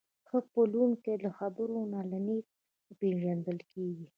ښه پلورونکی له خبرو نه، له نیت نه پېژندل کېږي.